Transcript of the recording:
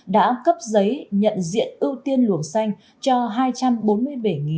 đã cấp giấy nhận diện ưu tiên luồng xanh cho hai trăm bốn mươi bảy hai mươi chín xe